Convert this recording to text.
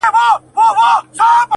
که پنجشېر دی، که واخان دی، وطن زما دی.!